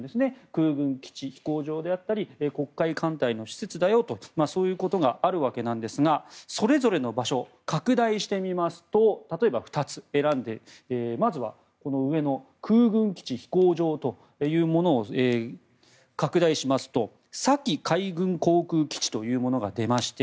空軍基地、飛行場であったり黒海艦隊の施設だよとあるわけなんですがそれぞれの場所拡大してみますと例えば２つ選んでまずは空軍基地、飛行場というものを拡大するとサキ海軍航空基地が出まして